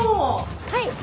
はい。